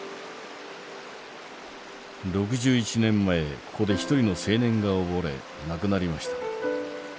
６１年前ここで一人の青年がおぼれ亡くなりました。